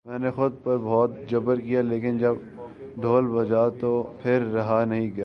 میں نے خود پر بہت جبر کیا لیکن جب ڈھول بجا تو پھر رہا نہیں گیا